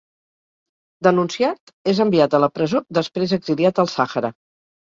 Denunciat, és enviat a la presó, després exiliat al Sàhara.